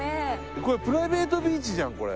これプライベートビーチじゃんこれ。